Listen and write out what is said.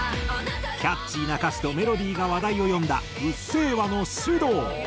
キャッチーな歌詞とメロディーが話題を呼んだ『うっせぇわ』のｓｙｕｄｏｕ。